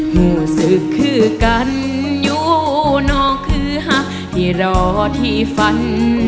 รู้สึกคือกันอยู่น้องคือฮักที่รอที่ฝัน